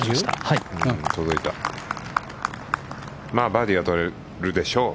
バーディーは取れるでしょう。